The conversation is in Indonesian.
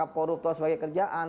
kita akan mengangkatnya sebagai kerjaan